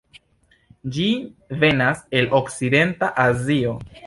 Ĝi venas el okcidenta Azio.